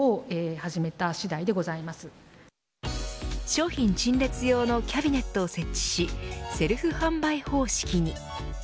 商品陳列用のキャビネットを設置しセルフ販売方式に。